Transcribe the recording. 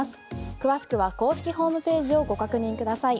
詳しくは公式ホームページをご確認ください。